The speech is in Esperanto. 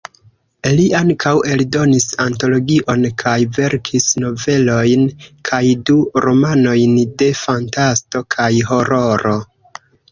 Li ankaŭ eldonis antologion kaj verkis novelojn kaj du romanojn de fantasto kaj hororo.